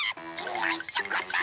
よいしょこしょ